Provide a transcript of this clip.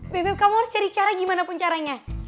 bebek kamu harus cari cara gimana pun caranya